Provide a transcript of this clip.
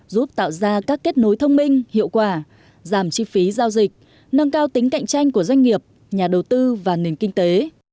giúp tạo ra các kết nối thông minh hiệu quả giảm chi phí giao dịch nâng cao tính cạnh tranh của doanh nghiệp nhà đầu tư và nền kinh tế